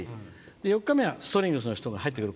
で、４日目はストリングスの人たちが入ってくる。